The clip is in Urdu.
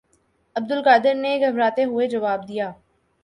عبدالقادر نے گھبراتے ہوئے جواب دیا